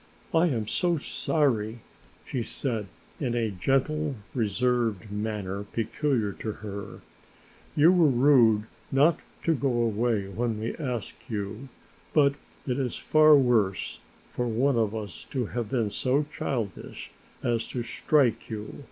"I am so sorry," she said in a gentle, reserved manner peculiar to her, "you were rude not to go away when we asked you, but it is far worse for one of us to have been so childish as to strike you.